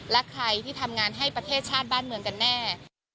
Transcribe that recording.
และใครที่ทำงานให้ประเทศชาติบ้านเมืองกันแน่